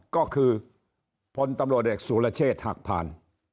ก็คือพตเกสุรเชษฐ์หักทาน